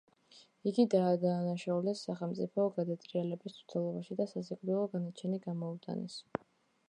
იგი დაადანაშაულეს სახელმწიფო გადატრიალების მცდელობაში და სასიკვდილო განაჩენი გამოუტანეს.